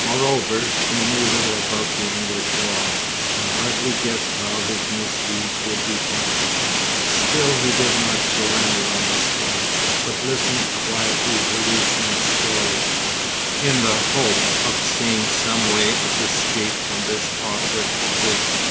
Moreover, he knew little about the English law, and hardly guessed how his misdeeds would be punished. Still, he did not surrender on the spot, but listened quietly to Lucian's story, in the hope of seeing some way of escape from his awkward position.